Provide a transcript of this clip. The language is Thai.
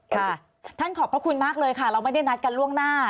ท่านขอบพระคุณมากเลยค่ะเราไม่ได้นัดกันล่วงหน้า